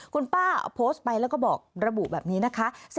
คุณป้าเอาโพสต์ไปแล้วก็บอกระบุแบบนี้นะคะ